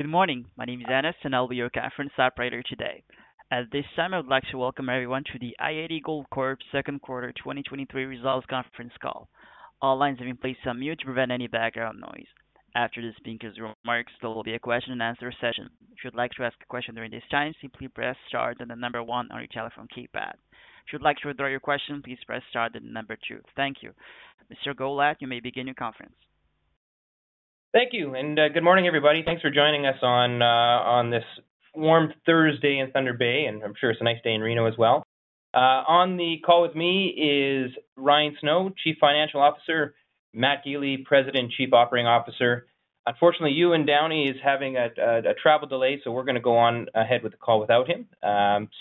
Good morning. My name is Dennis, and I'll be your conference operator today. At this time, I would like to welcome everyone to the i-80 Gold Corp second quarter 2023 results conference call. All lines have been placed on mute to prevent any background noise. After the speaker's remarks, there will be a question and answer session. If you'd like to ask a question during this time, simply press star, then the number one on your telephone keypad. If you'd like to withdraw your question, please press star, then the number two. Thank you. Mr. Gollat, you may begin your conference. Thank you, good morning, everybody. Thanks for joining us on this warm Thursday in Thunder Bay. I'm sure it's a nice day in Reno as well. On the call with me is Ryan Snow, Chief Financial Officer, Matt Gili, President and Chief Operating Officer. Unfortunately, Ewan Downie is having a travel delay, so we're going to go on ahead with the call without him.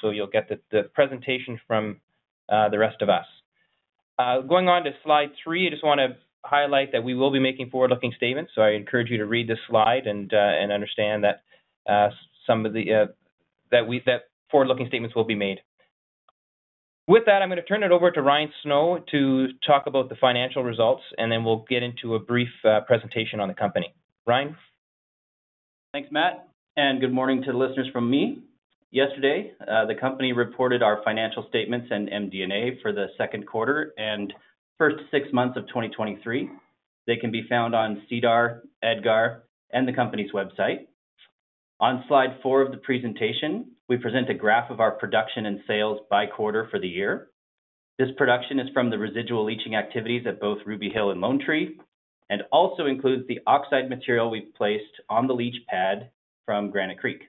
You'll get the presentation from the rest of us. Going on to slide three, I just want to highlight that we will be making forward-looking statements. I encourage you to read this slide and understand that some of the that forward-looking statements will be made. With that, I'm going to turn it over to Ryan Snow to talk about the financial results, and then we'll get into a brief presentation on the company. Ryan? Thanks, Matt, good morning to the listeners from me. Yesterday, the company reported our financial statements and MD&A for the second quarter and first six months of 2023. They can be found on SEDAR, EDGAR, and the company's website. On slide 4 of the presentation, we present a graph of our production and sales by quarter for the year. This production is from the residual leaching activities at both Ruby Hill and Lone Tree, and also includes the oxide material we've placed on the leach pad from Granite Creek.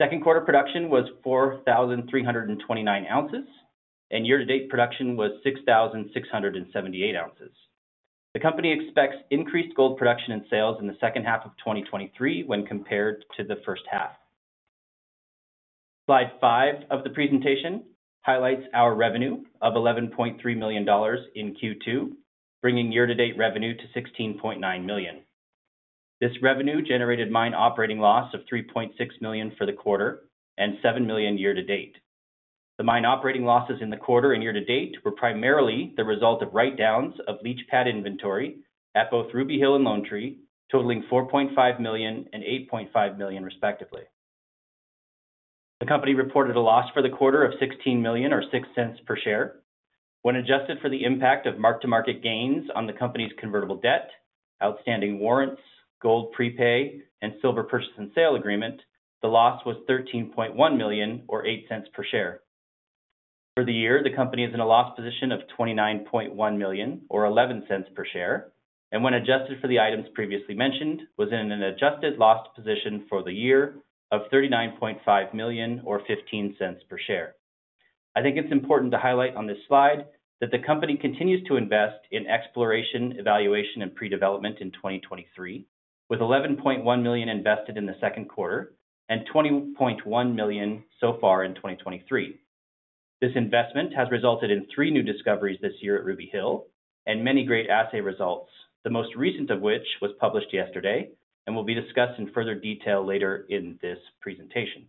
Second quarter production was 4,329 ounces, and year-to-date production was 6,678 ounces. The company expects increased gold production and sales in the second half of 2023 when compared to the first half. Slide 5 of the presentation highlights our revenue of $11.3 million in Q2, bringing year-to-date revenue to $16.9 million. This revenue generated mine operating loss of $3.6 million for the quarter and $7 million year-to-date. The mine operating losses in the quarter and year-to-date were primarily the result of write-downs of leach pad inventory at both Ruby Hill and Lone Tree, totaling $4.5 million and $8.5 million, respectively. The company reported a loss for the quarter of $16 million or $0.06 per share. When adjusted for the impact of mark-to-market gains on the company's convertible debt, outstanding warrants, gold prepay, and silver purchase and sale agreement, the loss was $13.1 million or $0.08 per share. For the year, the company is in a loss position of $29.1 million or $0.11 per share, and when adjusted for the items previously mentioned, was in an adjusted loss position for the year of $39.5 million or $0.15 per share. I think it's important to highlight on this slide that the company continues to invest in exploration, evaluation, and pre-development in 2023, with $11.1 million invested in the second quarter and $20.1 million so far in 2023. This investment has resulted in three new discoveries this year at Ruby Hill and many great assay results, the most recent of which was published yesterday and will be discussed in further detail later in this presentation.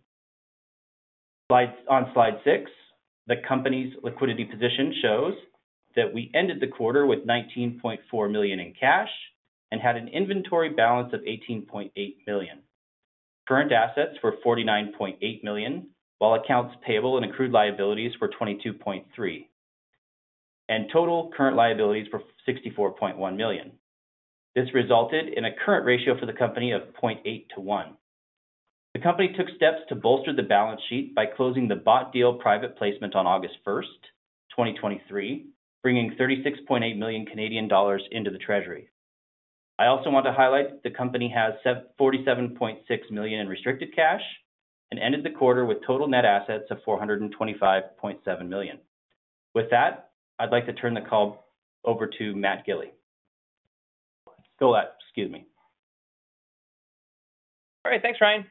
On slide 6, the company's liquidity position shows that we ended the quarter with 19.4 million in cash and had an inventory balance of 18.8 million. Current assets were 49.8 million, while accounts payable and accrued liabilities were 22.3 million, and total current liabilities were 64.1 million. This resulted in a current ratio for the company of 0.8 to 1. The company took steps to bolster the balance sheet by closing the bought deal private placement on August 1, 2023, bringing 36.8 million Canadian dollars into the treasury. I also want to highlight the company has 47.6 million in restricted cash and ended the quarter with total net assets of 425.7 million. With that, I'd like to turn the call over to Matt Gili. Gollat, excuse me. All right. Thanks, Ryan.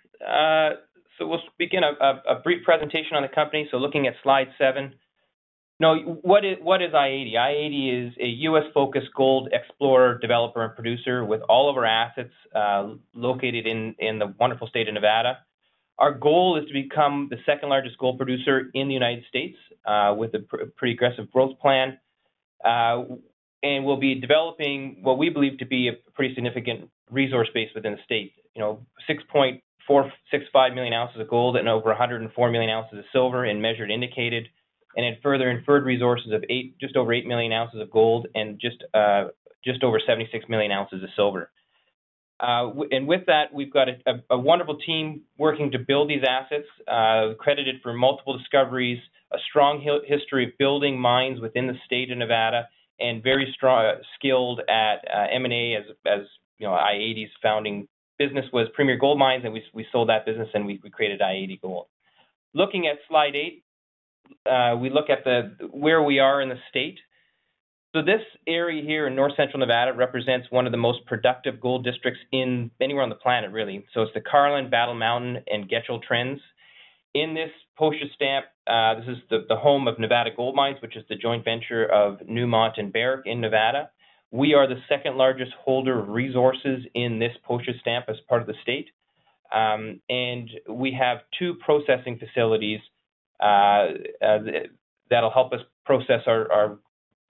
We'll begin a brief presentation on the company, looking at slide 7. What is, what is i-80? i-80 is a U.S.-focused gold explorer, developer, and producer with all of our assets located in the wonderful state of Nevada. Our goal is to become the second-largest gold producer in the United States with a pretty aggressive growth plan. We'll be developing what we believe to be a pretty significant resource base within the state. You know, 6.465 million ounces of gold and over 104 million ounces of silver in measured indicated, and in further inferred resources of just over 8 million ounces of gold and just over 76 million ounces of silver. With that, we've got a wonderful team working to build these assets, credited for multiple discoveries, a strong history of building mines within the state of Nevada, very strong, skilled at M&A, as, as, you know, i-80's founding business was Premier Gold Mines, and we, we sold that business, and we, we created i-80 Gold. Looking at slide 8, we look at the, where we are in the state. This area here in North Central Nevada represents 1 of the most productive gold districts in anywhere on the planet, really. It's the Carlin, Battle Mountain, and Getchell Trends. In this postage stamp, this is the home of Nevada Gold Mines, which is the joint venture of Newmont and Barrick in Nevada. We are the second largest holder of resources in this postage stamp as part of the state. We have 2 processing facilities that'll help us process our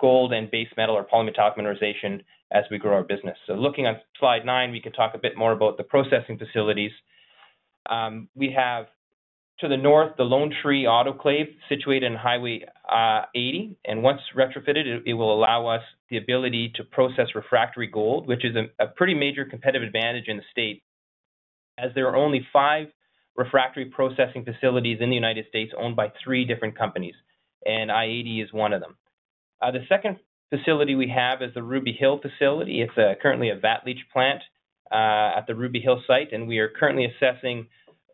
gold and base metal or polymetallic mineralization as we grow our business. Looking at slide 9, we can talk a bit more about the processing facilities. We have, to the north, the Lone Tree Autoclave situated in Highway 80, and once retrofitted, it will allow us the ability to process refractory gold, which is a pretty major competitive advantage in the state, as there are only 5 refractory processing facilities in the United States owned by 3 different companies, and i-80 is one of them. The second facility we have is the Ruby Hill facility. It's currently a vat leach plant at the Ruby Hill site, we are currently assessing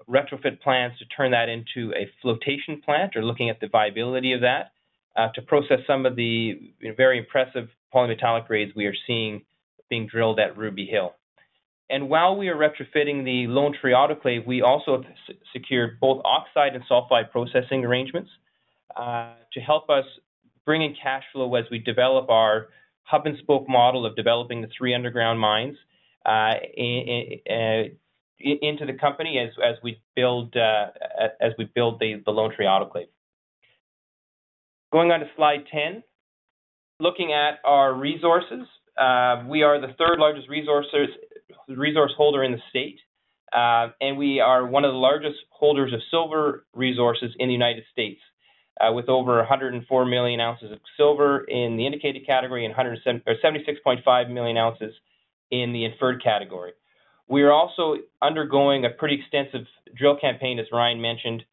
retrofit plans to turn that into a flotation plant. We're looking at the viability of that to process some of the, you know, very impressive polymetallic grades we are seeing being drilled at Ruby Hill. While we are retrofitting the Lone Tree Autoclave, we also secured both oxide and sulfide processing arrangements to help us bring in cash flow as we develop our hub-and-spoke model of developing the three underground mines into the company, as we build the Lone Tree Autoclave. Going on to slide 10, looking at our resources, we are the third largest resources, resource holder in the state, and we are one of the largest holders of silver resources in the United States, with over 104 million ounces of silver in the indicated category, and 107 or 76.5 million ounces in the inferred category. We are also undergoing a pretty extensive drill campaign, as Ryan mentioned.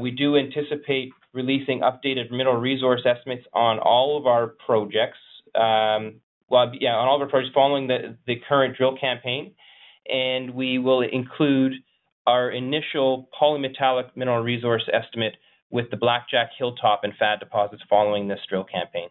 We do anticipate releasing updated mineral resource estimates on all of our projects, well, yeah, on all of our projects following the current drill campaign, and we will include our initial polymetallic mineral resource estimate with the Blackjack, Hilltop, and FAD deposits following this drill campaign.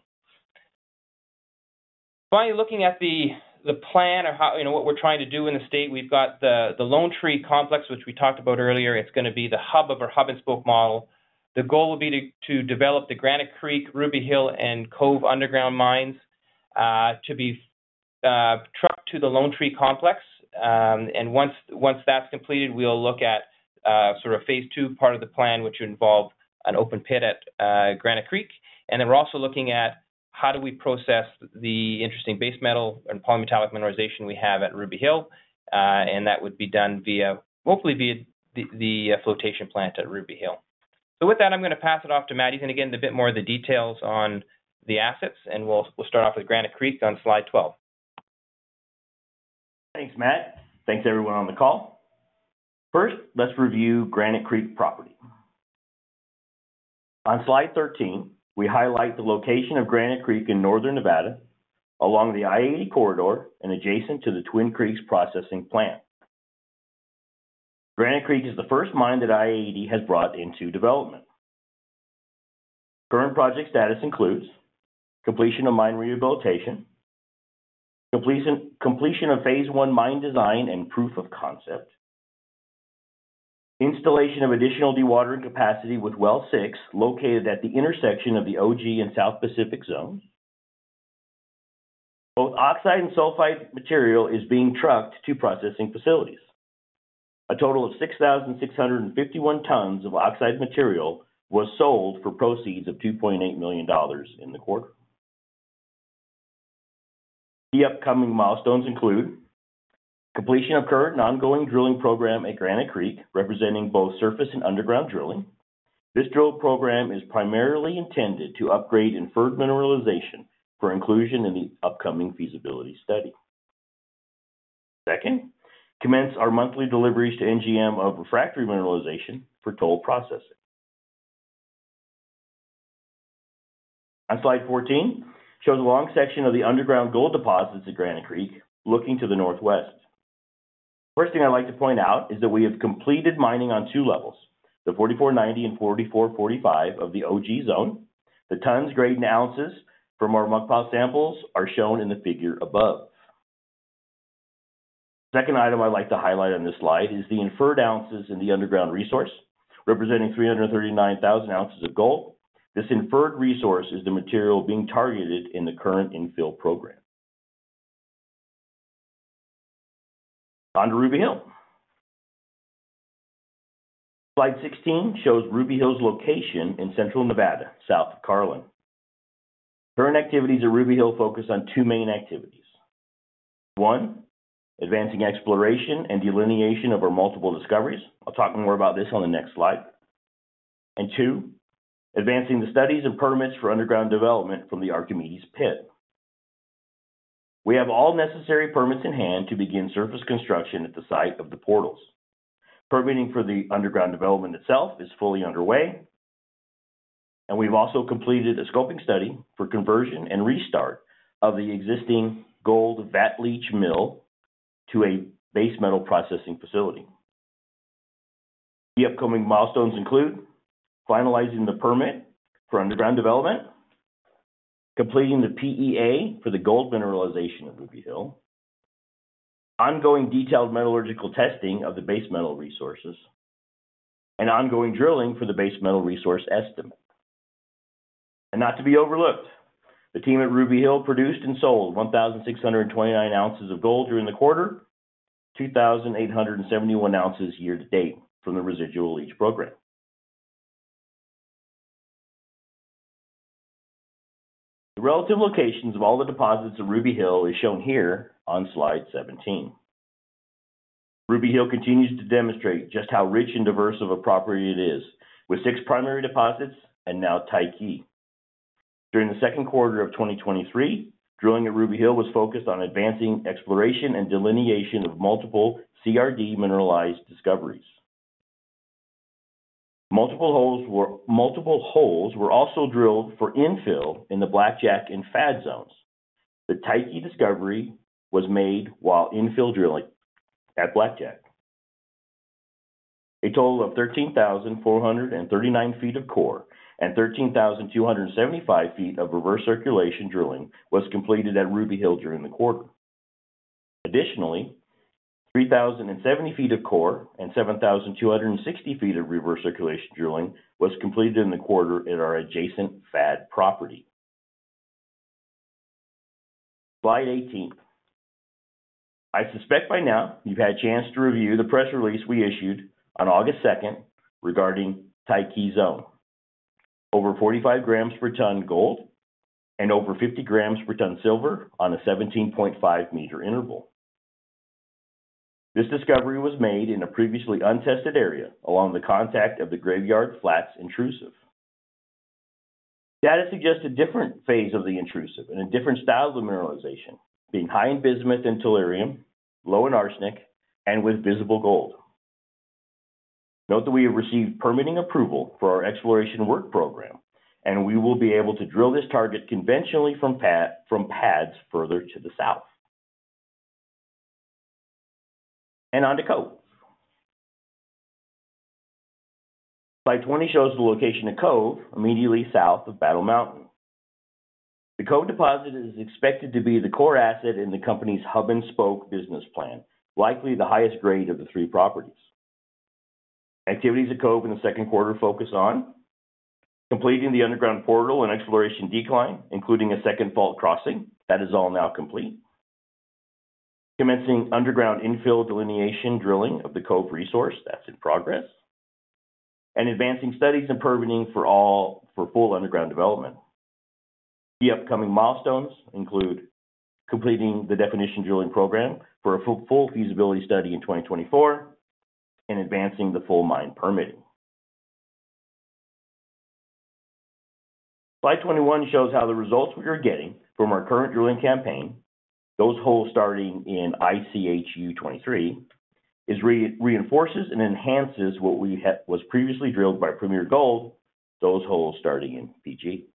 Looking at the, the plan or how, you know, what we're trying to do in the state, we've got the, the Lone Tree Complex, which we talked about earlier. It's gonna be the hub of our hub-and-spoke model. The goal will be to, to develop the Granite Creek, Ruby Hill, and Cove underground mines, to be trucked to the Lone Tree Complex. Once, once that's completed, we'll look at sort of phase two part of the plan, which would involve an open pit at Granite Creek. Then, we're also looking at how do we process the interesting base metal and polymetallic mineralization we have at Ruby Hill, and that would be done via, hopefully, via the, the flotation plant at Ruby Hill. With that, I'm gonna pass it off to Matt. He's gonna get into a bit more of the details on the assets, and we'll start off with Granite Creek on slide 12. Thanks, Matt. Thanks, everyone on the call. First, let's review Granite Creek property. On slide 13, we highlight the location of Granite Creek in northern Nevada, along the i-80 corridor and adjacent to the Twin Creeks Processing Plant. Granite Creek is the first mine that i-80 has brought into development. Current project status includes completion of mine rehabilitation, completion of phase 1 mine design and proof of concept, installation of additional dewatering capacity with Well 6, located at the intersection of the OG and South Pacific Zones. Both oxide and sulfide material is being trucked to processing facilities. A total of 6,651 tons of oxide material was sold for proceeds of $2.8 million in the quarter. The upcoming milestones include completion of current and ongoing drilling program at Granite Creek, representing both surface and underground drilling. This drill program is primarily intended to upgrade inferred mineralization for inclusion in the upcoming feasibility study. Second, commence our monthly deliveries to NGM of refractory mineralization for toll processing. On slide 14, shows a long section of the underground gold deposits at Granite Creek looking to the northwest. First thing I'd like to point out is that we have completed mining on 2 levels, the 4490 and 4445 of the OG zone. The tonnes grade in ounces from our muckpile samples are shown in the figure above. Second item I'd like to highlight on this slide is the inferred ounces in the underground resource, representing 339,000 ounces of gold. This inferred resource is the material being targeted in the current infill program. On to Ruby Hill. Slide 16 shows Ruby Hill's location in central Nevada, south of Carlin. Current activities at Ruby Hill focus on two main activities: One, advancing exploration and delineation of our multiple discoveries. I'll talk more about this on the next slide. Two, advancing the studies and permits for underground development from the Archimedes pit. We have all necessary permits in hand to begin surface construction at the site of the portals. Permitting for the underground development itself is fully underway, and we've also completed a scoping study for conversion and restart of the existing gold vat leach mill to a base metal processing facility. The upcoming milestones include finalizing the permit for underground development, completing the PEA for the gold mineralization of Ruby Hill, ongoing detailed metallurgical testing of the base metal resources, and ongoing drilling for the base metal resource estimate. Not to be overlooked, the team at Ruby Hill produced and sold 1,629 ounces of gold during the quarter, 2,871 ounces year-to-date from the residual leach program. The relative locations of all the deposits of Ruby Hill is shown here on slide 17. Ruby Hill continues to demonstrate just how rich and diverse of a property it is, with six primary deposits and now Tyche. During the second quarter of 2023, drilling at Ruby Hill was focused on advancing exploration and delineation of multiple CRD mineralized discoveries. Multiple holes were also drilled for infill in the Blackjack and FAD zones. The Tyche discovery was made while infill drilling at Blackjack. A total of 13,439 feet of core and 13,275 feet of reverse circulation drilling was completed at Ruby Hill during the quarter. Additionally, 3,070 feet of core and 7,260 feet of reverse circulation drilling was completed in the quarter at our adjacent FAD property. Slide 18. I suspect by now you've had a chance to review the press release we issued on August 2nd regarding Tyche zone. Over 45 grams per ton gold and over 50 grams per ton silver on a 17.5 meter interval. This discovery was made in a previously untested area along the contact of the Graveyard Flats intrusive. Data suggests a different phase of the intrusive and a different style of mineralization, being high in bismuth and tellurium, low in arsenic, and with visible gold. Note that we have received permitting approval for our exploration work program, we will be able to drill this target conventionally from pads further to the south. On to Cove. Slide 20 shows the location of Cove, immediately south of Battle Mountain. The Cove deposit is expected to be the core asset in the company's hub-and-spoke business plan, likely the highest grade of the 3 properties. Activities at Cove in the second quarter focus on completing the underground portal and exploration decline, including a second fault crossing. That is all now complete. Commencing underground infill delineation drilling of the Cove resource, that's in progress, advancing studies and permitting for full underground development. The upcoming milestones include completing the definition drilling program for a full feasibility study in 2024 and advancing the full mine permitting. Slide 21 shows how the results we are getting from our current drilling campaign, those holes starting in ICHU23, reinforces and enhances what was previously drilled by Premier Gold, those holes starting in PG.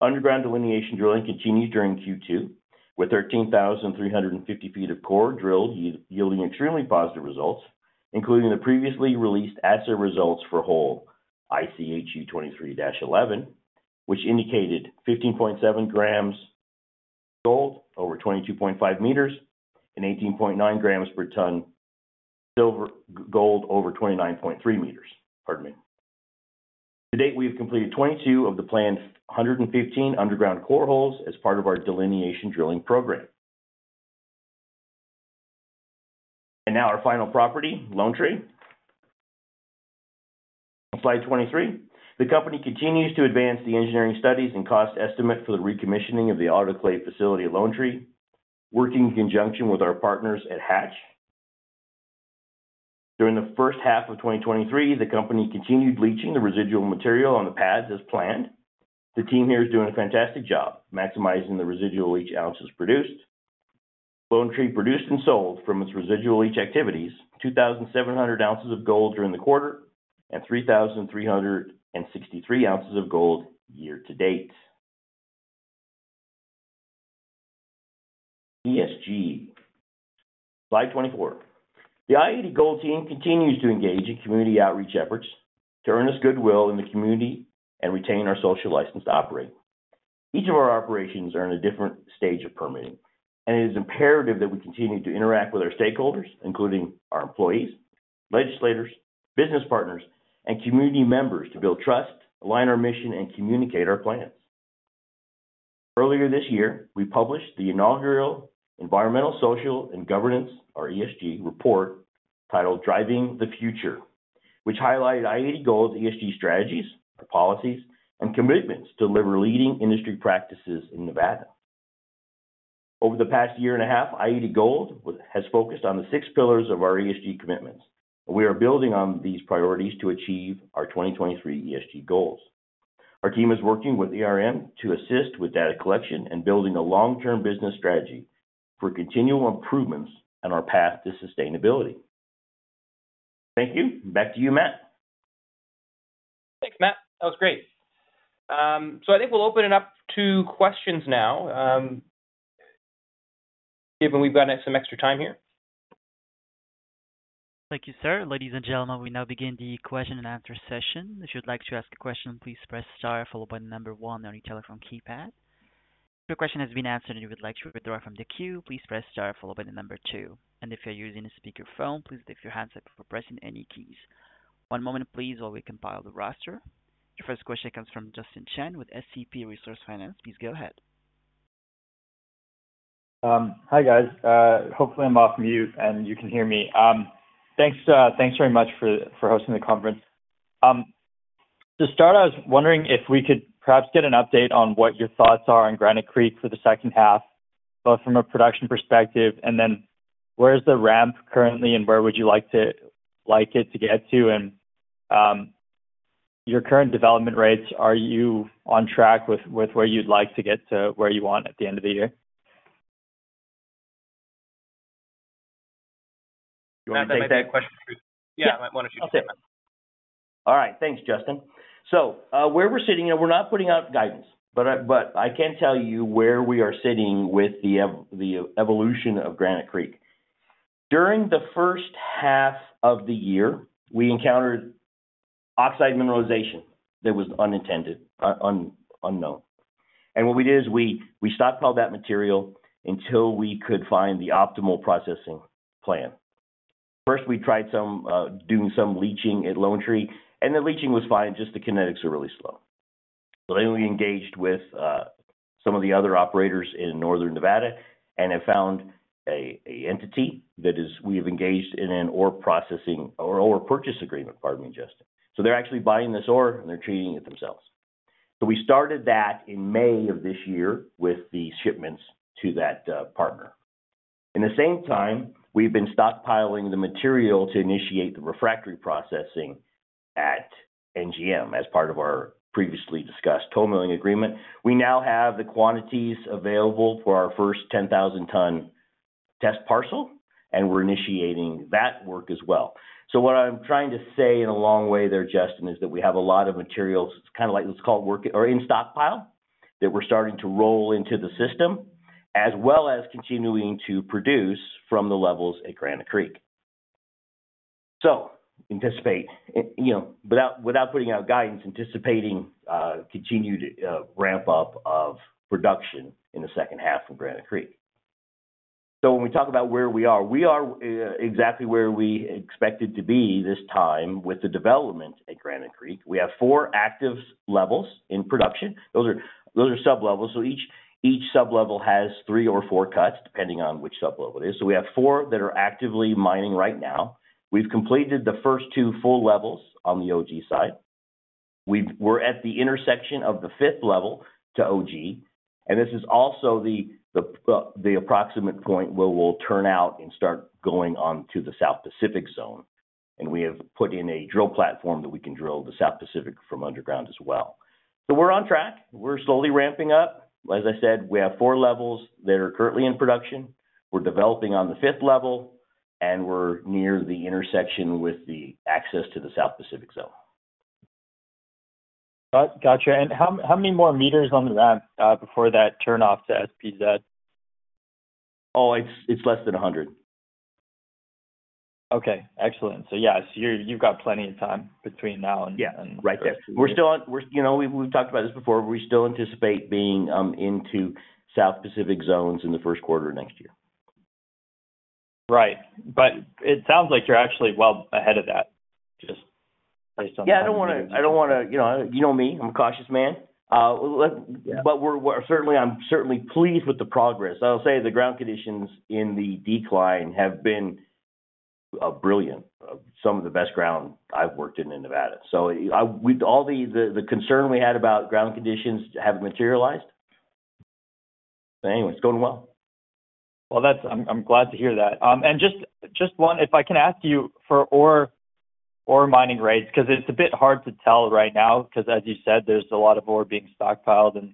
Underground delineation drilling continued during Q2, with 13,350 feet of core drilled, yielding extremely positive results, including the previously released asset results for hole ICHU23-11, which indicated 15.7 grams gold over 22.5 meters and 18.9 grams per ton silver, gold over 29.3 meters. Pardon me. To date, we have completed 22 of the planned 115 underground core holes as part of our delineation drilling program. Now our final property, Lone Tree. On slide 23, the company continues to advance the engineering studies and cost estimate for the recommissioning of the autoclave facility at Lone Tree, working in conjunction with our partners at Hatch. During the first half of 2023, the company continued leaching the residual material on the pads as planned. The team here is doing a fantastic job maximizing the residual leach ounces produced. Lone Tree produced and sold from its residual leach activities, 2,700 ounces of gold during the quarter and 3,363 ounces of gold year to date. ESG, slide 24. The i-80 Gold team continues to engage in community outreach efforts to earn us goodwill in the community and retain our social license to operate. Each of our operations are in a different stage of permitting, and it is imperative that we continue to interact with our stakeholders, including our employees, legislators, business partners, and community members, to build trust, align our mission, and communicate our plans. Earlier this year, we published the inaugural Environmental, Social, and Governance, or ESG report, titled Driving the Future, which highlighted i-80 Gold's ESG strategies, policies, and commitments to deliver leading industry practices in Nevada. Over the past year and a half, i-80 Gold has focused on the six pillars of our ESG commitments. We are building on these priorities to achieve our 2023 ESG goals. Our team is working with ERM to assist with data collection and building a long-term business strategy for continual improvements on our path to sustainability. Thank you. Back to you, Matt. Thanks, Matt. That was great. I think we'll open it up to questions now, given we've got some extra time here. Thank you, sir. Ladies and gentlemen, we now begin the question-and-answer session. If you'd like to ask a question, please press star followed by the number one on your telephone keypad. If your question has been answered, and you would like to withdraw from the queue, please press star followed by the number two. If you're using a speakerphone, please lift your handset before pressing any keys. One moment please, while we compile the roster. Your first question comes from Justin Chan with SCP Resource Finance. Please go ahead. Hi, guys. Hopefully, I'm off mute, and you can hear me. Thanks, thanks very much for, for hosting the conference. To start, I was wondering if we could perhaps get an update on what your thoughts are on Granite Creek for the second half, both from a production perspective, and then where's the ramp currently, and where would you like like it to get to? Your current development rates, are you on track with, with where you'd like to get to, where you want at the end of the year? You want me to take that question? Yeah, why don't you take that. All right. Thanks, Justin. Where we're sitting, and we're not putting out guidance, but I can tell you where we are sitting with the evolution of Granite Creek. During the first half of the year, we encountered oxide mineralization that was unintended, unknown. What we did is we stockpiled that material until we could find the optimal processing plan. First, we tried some doing some leaching at Lone Tree, and the leaching was fine, just the kinetics were really slow. Then we engaged with some of the other operators in northern Nevada and have found an entity that we have engaged in an ore processing, or ore purchase agreement, pardon me, Justin. They're actually buying this ore, and they're treating it themselves. We started that in May of this year with the shipments to that partner. In the same time, we've been stockpiling the material to initiate the refractory processing at NGM, as part of our previously discussed toll milling agreement. We now have the quantities available for our first 10,000 ton test parcel, and we're initiating that work as well. What I'm trying to say in a long way there, Justin, is that we have a lot of materials. It's kind of like what's called work- or in stockpile, that we're starting to roll into the system, as well as continuing to produce from the levels at Granite Creek. Anticipate, you know, without, without putting out guidance, anticipating continued ramp up of production in the second half of Granite Creek. When we talk about where we are, we are exactly where we expected to be this time with the development at Granite Creek. We have four active levels in production. Those are, those are sub-levels, so each, each sub-level has three or four cuts, depending on which sub-level it is. We have four that are actively mining right now. We've completed the first two full levels on the OG side. We're at the intersection of the fifth level to OG, and this is also the, the approximate point where we'll turn out and start going on to the South Pacific Zone. We have put in a drill platform that we can drill the South Pacific from underground as well. We're on track. We're slowly ramping up. As I said, we have four levels that are currently in production. We're developing on the fifth level, and we're near the intersection with the access to the South Pacific Zone. Gotcha. How many more meters on the ramp before that turn off to SPZ? Oh, it's, it's less than 100. Okay, excellent. Yeah, so you've got plenty of time between now and- Yeah, right there. We're, you know, we've talked about this before, we still anticipate being into South Pacific Zones in the first quarter of next year. Right. It sounds like you're actually well ahead of that, just based on- Yeah, I don't wanna, I don't wanna, you know, you know me, I'm a cautious man. Yeah. We're, we're certainly, I'm certainly pleased with the progress. I'll say the ground conditions in the decline have been brilliant. Some of the best ground I've worked in in Nevada. I, all the concern we had about ground conditions haven't materialized. Anyways, it's going well. Well, I'm glad to hear that. Just one, if I can ask you for ore mining rates, because it's a bit hard to tell right now, because as you said, there's a lot of ore being stockpiled and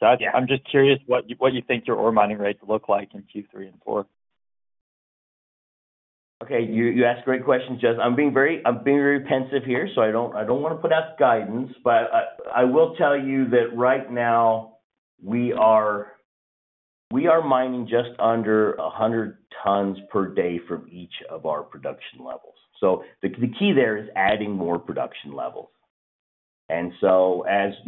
such. Yeah. I'm just curious what you, what you think your ore mining rates look like in Q3 and Q4? Okay, you, you ask great questions, Justin. I'm being very- I'm being very pensive here, so I don't, I don't wanna put out guidance, but I, I will tell you that right now, we are, we are mining just under 100 tons per day from each of our production levels. The, the key there is adding more production levels. As,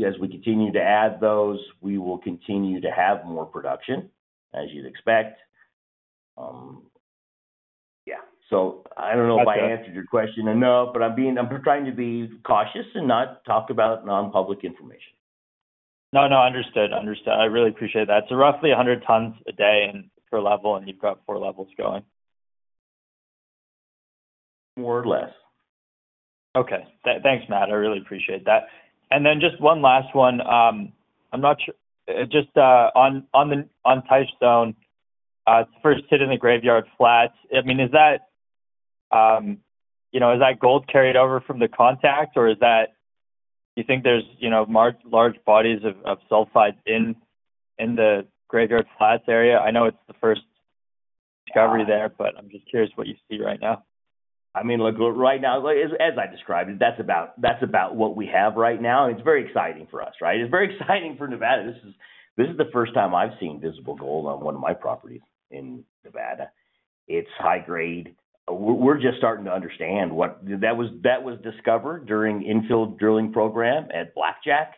as we continue to add those, we will continue to have more production, as you'd expect. Yeah. I don't know if I answered your question or not, but I'm being- I'm trying to be cautious and not talk about non-public information. No, no, understood. Understood. I really appreciate that. Roughly 100 tons a day and per level, and you've got 4 levels going? More or less. Okay. Thanks, Matt. I really appreciate that. Then just one last one. Just on Tyche zone, the first hit in the Graveyard Flats, I mean, is that, you know, is that gold carried over from the contact, or is that. Do you think there's, you know, large bodies of sulfides in the Graveyard Flats area? I know it's the first discovery there, but I'm just curious what you see right now. I mean, look, right now, as, as I described it, that's about, that's about what we have right now, and it's very exciting for us, right? It's very exciting for Nevada. This is, this is the first time I've seen visible gold on one of my properties in Nevada. It's high grade. We're just starting to understand what. That was, that was discovered during infill drilling program at Blackjack.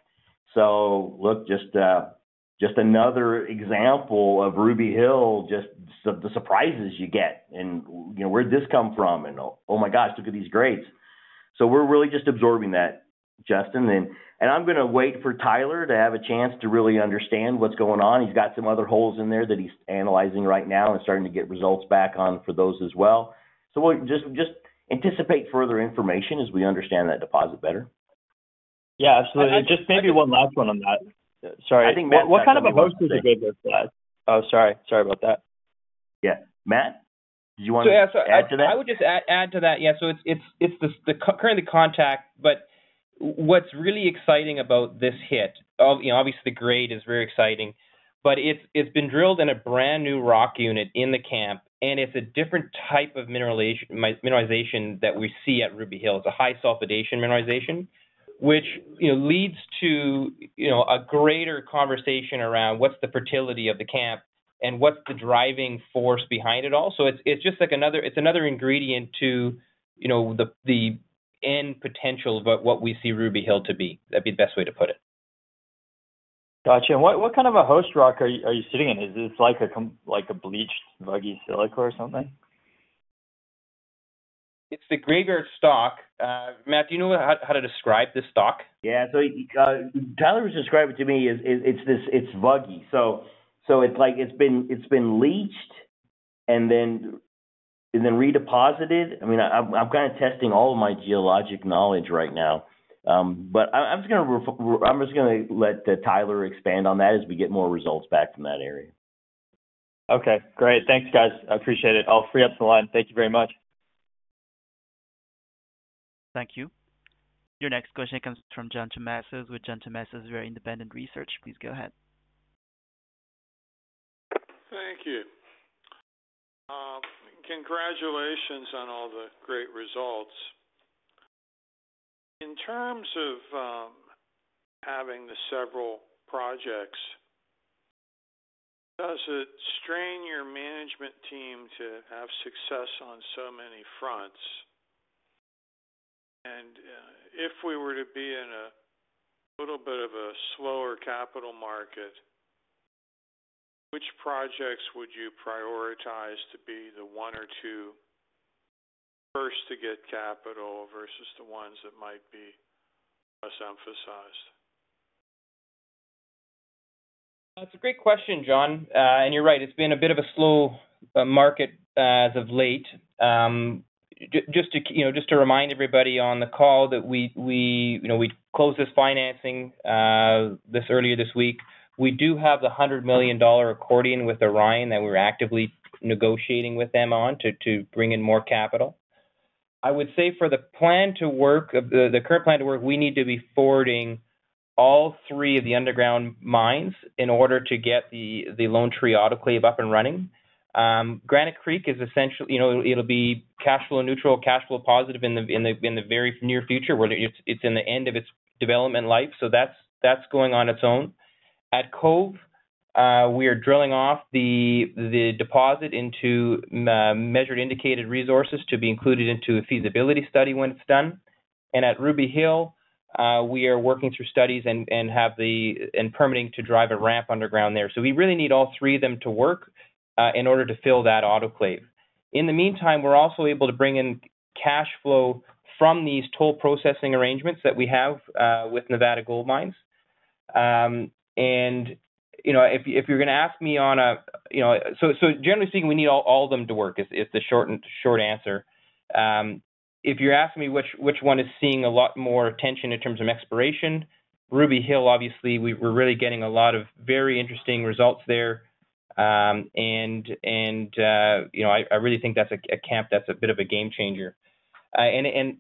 Look, just another example of Ruby Hill, just the surprises you get. You know, where'd this come from? Oh, my gosh, look at these grades! We're really just absorbing that, Justin. I'm gonna wait for Tyler to have a chance to really understand what's going on. He's got some other holes in there that he's analyzing right now and starting to get results back on for those as well. We'll just anticipate further information as we understand that deposit better. Yeah, absolutely. Just maybe one last one on that. Sorry. I think Matt- What kind of a host is a good with that? Oh, sorry. Sorry about that. Yeah. Matt, do you want to add to that? Yeah, so I would just add to that. Yeah, so it's, it's, it's the, the current, the contact, but what's really exciting about this hit, you know, obviously the grade is very exciting, but it's, it's been drilled in a brand new rock unit in the camp, and it's a different type of mineralization, mineralization that we see at Ruby Hill. It's a high-sulfidation mineralization, which, you know, leads to, you know, a greater conversation around what's the fertility of the camp and what's the driving force behind it all. It's, it's just like another. It's another ingredient to, you know, the, the end potential of what we see Ruby Hill to be. That'd be the best way to put it. Gotcha. What, what kind of a host rock are you, are you sitting in? Is this like a like, a bleached vuggy silica or something? It's the Graveyard stock. Matt, do you know how to describe this stock? Yeah, Tyler was describing to me, is, is, it's this, it's vuggy. It's like, it's been, it's been leached and then, and then redeposited. I mean, I'm, I'm kind of testing all of my geologic knowledge right now. I'm just gonna let Tyler expand on that as we get more results back from that area. Okay, great. Thanks, guys. I appreciate it. I'll free up the line. Thank you very much. Thank you. Your next question comes from John Tumazos, with John Tumazos Very Independent Research. Please go ahead. Thank you. Congratulations on all the great results. In terms of having the several projects, does it strain your management team to have success on so many fronts? If we were to be in a little bit of a slower capital market, which projects would you prioritize to be the one or two first to get capital versus the ones that might be less emphasized? That's a great question, John Tumazos. You're right, it's been a bit of a slow market as of late. Just to, you know, just to remind everybody on the call that we, we, you know, we closed this financing this earlier this week. We do have the $100 million accordion with Orion, that we're actively negotiating with them on to bring in more capital. I would say for the plan to work, the current plan to work, we need to be forwarding all three of the underground mines in order to get the Lone Tree Autoclave up and running. Granite Creek is essentially. You know, it'll be cash flow neutral, cash flow positive in the, in the, in the very near future, where it's in the end of its development life, so that's going on its own. At Cove, we are drilling off the, the deposit into measured, indicated resources to be included into a feasibility study when it's done. At Ruby Hill, we are working through studies and permitting to drive a ramp underground there. We really need all three of them to work in order to fill that autoclave. In the meantime, we're also able to bring in cash flow from these toll processing arrangements that we have with Nevada Gold Mines. And, you know, if you're gonna ask me, you know, generally speaking, we need all of them to work, is the short, short answer. If you're asking me which, which one is seeing a lot more attention in terms of exploration, Ruby Hill, obviously, we're really getting a lot of very interesting results there. You know, I really think that's a camp that's a bit of a game changer. You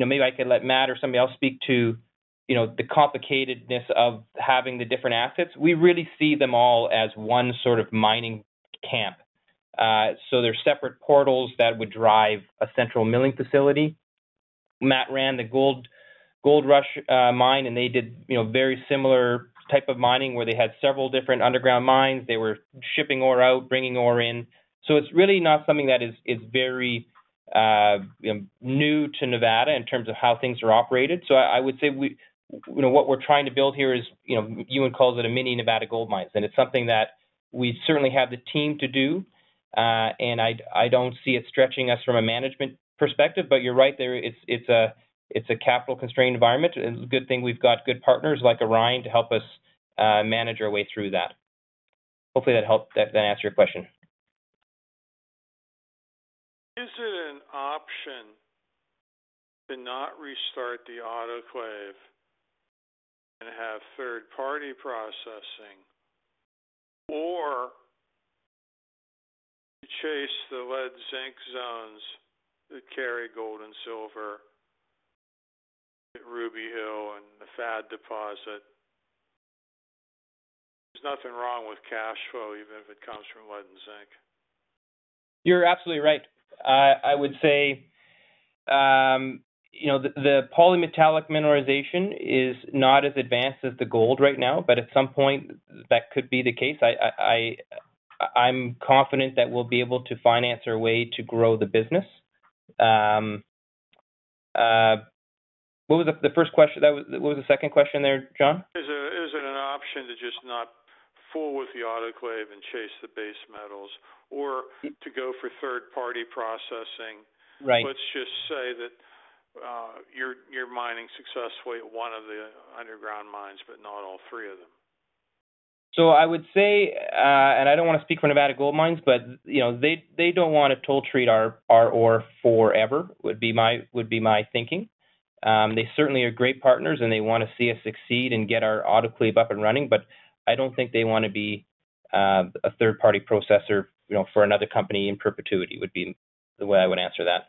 know, maybe I could let Matt or somebody else speak to, you know, the complicatedness of having the different assets. We really see them all as one sort of mining camp. They're separate portals that would drive a central milling facility. Matt ran the Gold Rush mine, and they did, you know, very similar type of mining, where they had several different underground mines. They were shipping ore out, bringing ore in. It's really not something that is, is very new to Nevada in terms of how things are operated. I would say we, you know, what we're trying to build here is, you know, Ewan calls it a mini Nevada Gold Mines, and it's something that we certainly have the team to do. And I, I don't see it stretching us from a management perspective, but you're right, there, it's, it's a, it's a capital-constrained environment. It's a good thing we've got good partners like Orion to help us manage our way through that. Hopefully, that helped, that answered your question. Is it an option to not restart the autoclave and have third-party processing, or to chase the lead zinc zones that carry gold and silver at Ruby Hill and the FAD deposit? There's nothing wrong with cash flow, even if it comes from lead and zinc. You're absolutely right. I would say. You know, the, the polymetallic mineralization is not as advanced as the gold right now, but at some point, that could be the case. I'm confident that we'll be able to finance our way to grow the business. What was the, the first question? That was. What was the second question there, John? Is there, is it an option to just not fool with the autoclave and chase the base metals or to go for third-party processing? Right. Let's just say that, you're, you're mining successfully at 1 of the underground mines, but not all 3 of them. I would say, and I don't want to speak for Nevada Gold Mines, but, you know, they, they don't want to toll treat our ore forever, would be my, would be my thinking. They certainly are great partners, and they want to see us succeed and get our autoclave up and running, but I don't think they want to be a third-party processor, you know, for another company in perpetuity, would be the way I would answer that.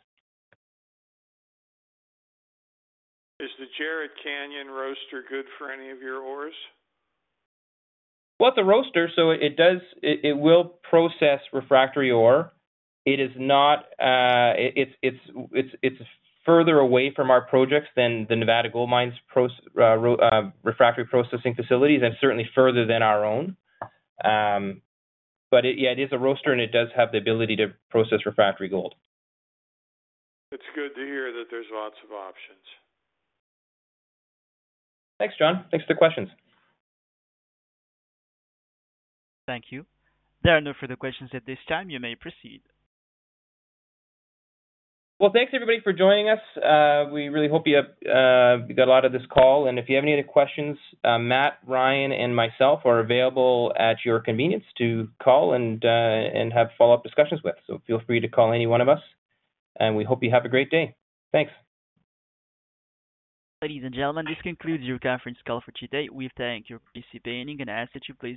Is the Jerritt Canyon roaster good for any of your ores? Well, the roaster, it does, it will process refractory ore. It is not, it's further away from our projects than the Nevada Gold Mines refractory processing facilities, and certainly further than our own. It Yeah, it is a roaster, and it does have the ability to process refractory gold. It's good to hear that there's lots of options. Thanks, John. Thanks for the questions. Thank you. There are no further questions at this time. You may proceed. Well, thanks, everybody, for joining us. We really hope you have, you got a lot of this call. If you have any other questions, Matt, Ryan, and myself are available at your convenience to call and, and have follow-up discussions with. Feel free to call any one of us, and we hope you have a great day. Thanks! Ladies and gentlemen, this concludes your conference call for today. We thank you for participating and ask that you please-